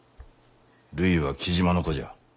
・るいは雉真の子じゃ。